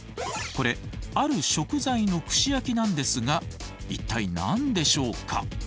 これある食材の串焼きなんですが一体何でしょうか？